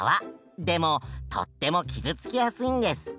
でもとっても傷つきやすいんです。